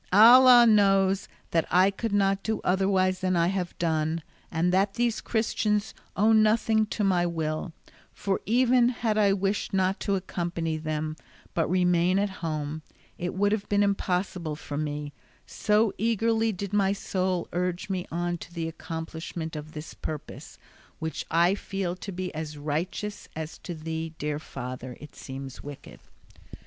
Allah knows that I could not do otherwise than I have done, and that these Christians owe nothing to my will; for even had I wished not to accompany them, but remain at home, it would have been impossible for me, so eagerly did my soul urge me on to the accomplishment of this purpose, which I feel to be as righteous as to thee, dear father, it seems wicked."